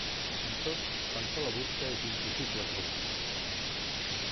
Amb tot, quan se la busca és impossible trobar-la.